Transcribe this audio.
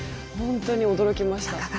本当に驚きました。